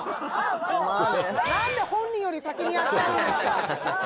「なんで本人より先にやっちゃうんですか！」